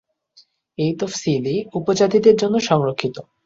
এই তফসিলী উপজাতিদের জন্য সংরক্ষিত।